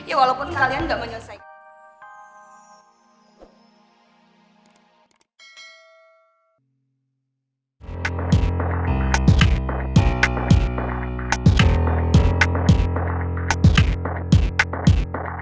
ya walaupun kalian gak menyelesaikan